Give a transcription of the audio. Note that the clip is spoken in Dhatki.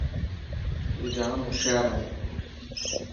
تون ڄام هوشيار هي.